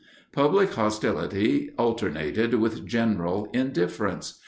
Public hostility alternated with general indifference.